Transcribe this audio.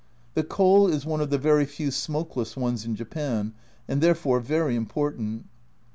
The coal is one of the very few smokeless ones in Japan, and there fore very important.